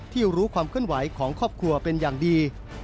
ที่รู้ความขึ้นไหวของครอบครัวเป็นอย่างดี